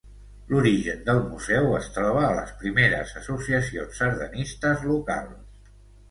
L'origen del museu es troba a les primeres associacions sardanistes locals.